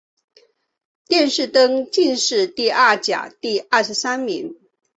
殿试登进士第二甲第二十三名。